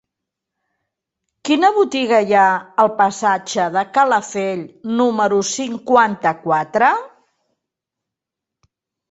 Quina botiga hi ha al passatge de Calafell número cinquanta-quatre?